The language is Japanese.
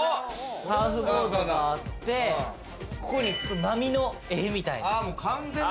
サーフボードがあって、ここに波の絵みたいな。